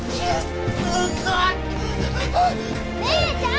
姉ちゃん！